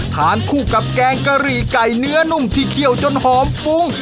ทานคู่กับแกงกะหรี่ไก่เนื้อนุ่มที่เคี่ยวจนหอมฟุ้ง